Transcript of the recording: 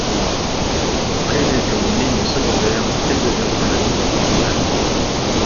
Prévue comme une ligne secondaire, elle deviendra la ligne principale.